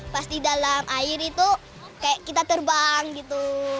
pas di dalam air itu kayak kita terbang gitu